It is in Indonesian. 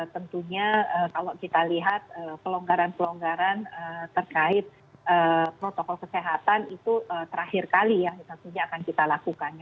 tentunya kalau kita lihat pelonggaran pelonggaran terkait protokol kesehatan itu terakhir kali ya tentunya akan kita lakukan